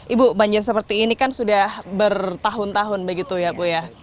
ibu banjir seperti ini kan sudah bertahun tahun begitu ya bu ya